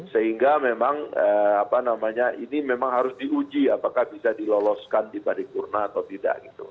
sehingga memang apa namanya ini memang harus diuji apakah bisa diloloskan di paripurna atau tidak gitu